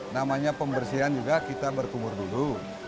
namanya pembersihan juga kita berkumur dulu